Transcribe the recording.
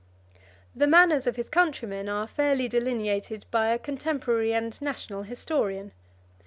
25 The manners of his countrymen are fairly delineated by a contemporary and national historian.